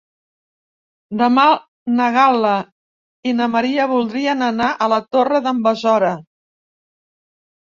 Demà na Gal·la i na Maria voldrien anar a la Torre d'en Besora.